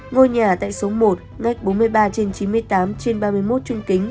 ngôi nhà tại số một ngách bốn mươi ba trên chín mươi tám trên ba mươi một trung kính